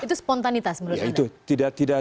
itu spontanitas menurut anda